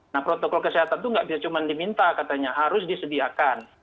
nah protokol kesehatan itu nggak bisa cuma diminta katanya harus disediakan